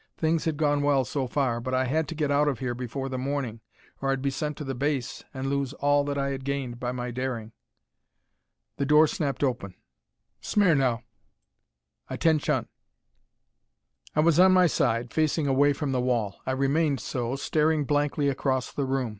Things had gone well so far, but I had to get out of here before the morning, or I'd be sent to the base and lose all that I had gained by my daring. The door snapped open. "Smirnow!" (Atten shun!) I was on my side, facing away from the wall. I remained so, staring blankly across the room.